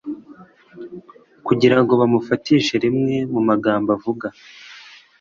kugira ngo bamufatishe rimwe mu magambo avuga,